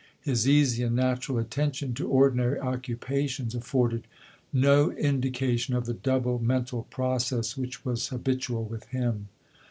His easy and natural attention to ordinary occupations afforded no indi cation of the double mental process which was habitual with him.